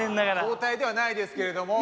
交代ではないですけれども。